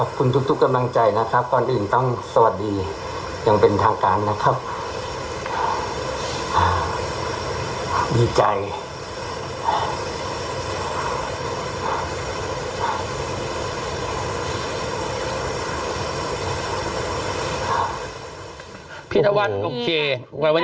วันนี้ซึ่งได้มีโอกาสคุยกับเขาแล้ว